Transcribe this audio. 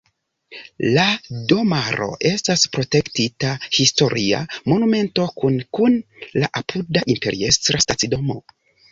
La domaro estas protektita historia monumento kune kun la apuda imperiestra stacidomo.